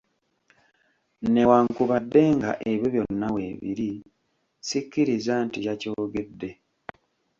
Newankubadde nga ebyo byonna weebiri sikkiriza nti yakyogedde.